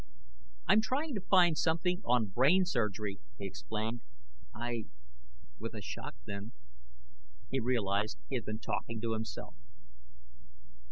"I'm trying to find something on brain surgery," he explained. "I " With a shock, then, he realized he had been talking to himself.